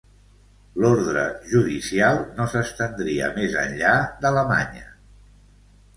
L'ordre judicial no s'estendria més enllà d'Alemanya.